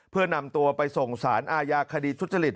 เพื่อนำตัวไปส่งสารอาญาคดีทุจริต